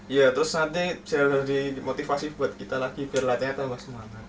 ya terus nanti jadi dimotivasi buat kita lagi biar latarnya tambah semangat